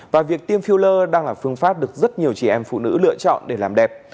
và việc tiêm filler đang là phương pháp được rất nhiều chị em phụ nữ lựa chọn để làm đẹp